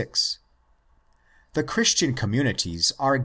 The Christian communities are.